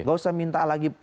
nggak usah minta lagi